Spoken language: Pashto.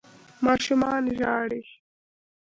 ماشومان ژاړي